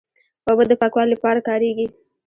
اوبه د پاکوالي لپاره کارېږي.